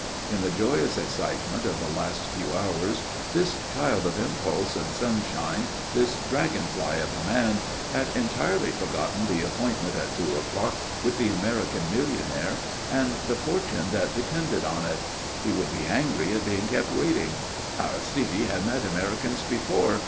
In the joyous excitement of the past few hours this child of impulse and sunshine, this dragon fly of a man, had entirely forgotten the appointment at two o'clock with the American millionaire and the fortune that depended on it. He would be angry at being kept waiting. Aristide had met Americans before.